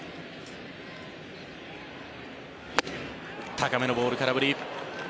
高めのボール、空振り。